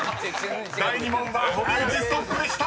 ［第２問は堀内ストップでした］